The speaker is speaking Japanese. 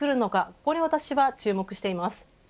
ここに私は注目しています。